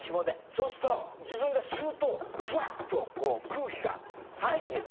そうすると自分が吸うとふわっと空気が入ってくる。